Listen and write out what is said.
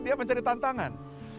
dia mencari tantangan